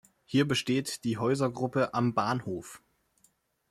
Hier besteht die Häusergruppe "Am Bahnhof".